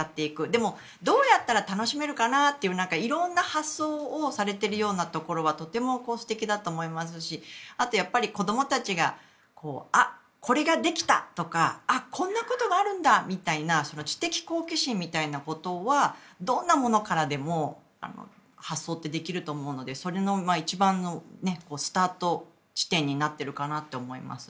でも、どうやったら楽しめるかなという色んな発想をされているようなところはとても素敵だと思いますしあとやっぱり子どもたちがあ、これができたとかあ、こんなことがあるんだみたいな知的好奇心みたいなものはどんなものからでも発想ってできると思うのでそれの一番のスタート地点になっていると思います。